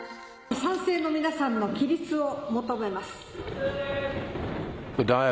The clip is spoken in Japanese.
賛成の皆さんの起立を求めます。